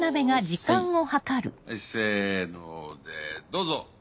せのでどうぞ。